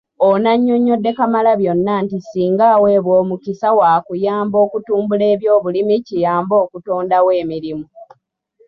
Ono annyonnyodde Kamalabyonna nti singa aweebwa omukisa waakuyamba okutumbula eby'obulimi kiyambe okutondawo emirimu.